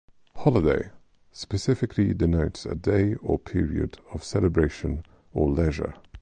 "Holiday" specifically denotes a day or period of celebration or leisure.